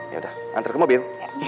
yaudah antar ke mobil